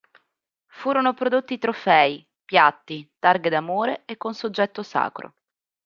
Furono prodotti trofei, piatti, targhe d'amore e con soggetto sacro.